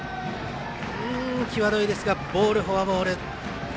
際どいですがフォアボール。